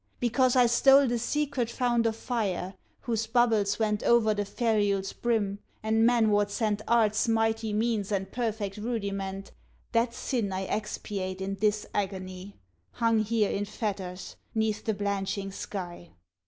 Because I stole The secret fount of fire, whose bubbles went Over the ferrule's brim, and manward sent Art's mighty means and perfect rudiment, That sin I expiate in this agony, Hung here in fetters, 'neath the blanching sky.